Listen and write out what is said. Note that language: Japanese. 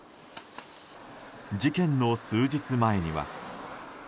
事件の数日前には。